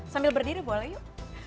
sambil berdiri boleh yuk